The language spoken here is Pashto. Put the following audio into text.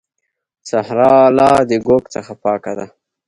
صحرا لا د ږوږ څخه پاکه ده.